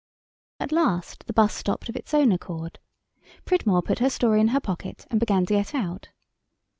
At last the 'bus stopped of its own accord. Pridmore put her story in her pocket and began to get out.